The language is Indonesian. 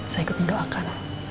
saya ikut mendoakan